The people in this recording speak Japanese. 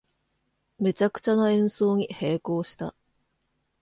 めちゃくちゃな演奏に閉口した